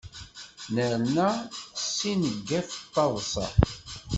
Nerna s ineggwaf taḍsa.